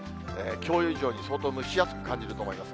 きょう以上に相当蒸し暑く感じると思います。